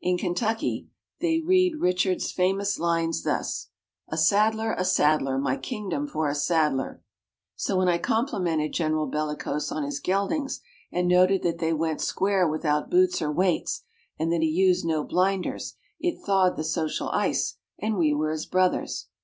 In Kentucky they read Richard's famous lines thus: "A saddler! a saddler! my kingdom for a saddler!" So when I complimented General Bellicose on his geldings and noted that they went square without boots or weights, and that he used no blinders, it thawed the social ice, and we were as brothers.